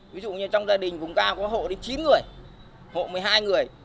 ví dụ như trong gia đình vùng cao có hộ đến chín người hộ một mươi hai người